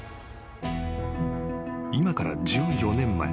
［今から１４年前］